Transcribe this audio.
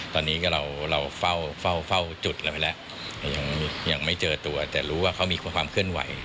ตอนนี้ก็เราเฝ้าจุดเราไปแล้วยังไม่เจอตัวแต่รู้ว่าเขามีความเคลื่อนไหว